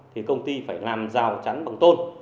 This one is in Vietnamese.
thì công ty phải làm rào chắn bằng tôn